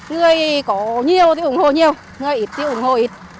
người có nhiều thì ủng hộ nhiều người ít thì ủng hộ ít